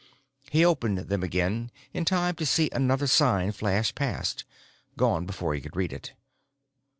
He opened them again in time to see another sign flash past, gone before he could read it.